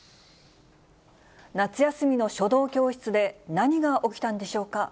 夏休みの書道教室で何が起きたんでしょうか。